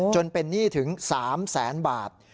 จนเป็นหนี้ถึง๓แสนบาท